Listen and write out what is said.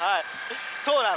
そうなの。